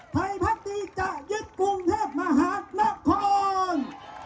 ไทยพักดีจะยึดกรุงเทพมหานคร